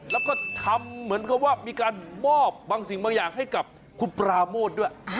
แล้วก็ทำเหมือนกับว่ามีการมอบบางสิ่งบางอย่างให้กับคุณปราโมทด้วย